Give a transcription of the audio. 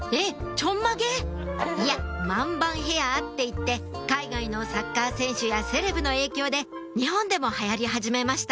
ちょんまげ？いやマンバンヘアっていって海外のサッカー選手やセレブの影響で日本でも流行り始めました